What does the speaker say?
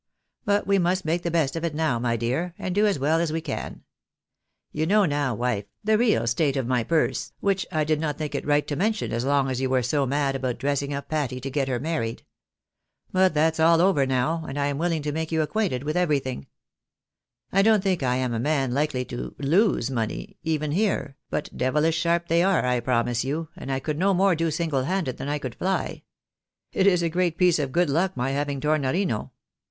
But we must make the best of it now, my dear, and do as well as we can. You know now, wife, the real state of SCHEME TO BEING IN DOLLARS. 51 my purse, wMcli I did not think it right to mention as long as you were so mad about dressing up Patty to get her married. But that's all over now, and I am willing to make you acquainted with everything. I don't think I am a man likely to lose money, even here, but devihsh sharp they are, I promise you, and I could no more do single handed than I could fly. It is a great piece of good luck my having Tornorino.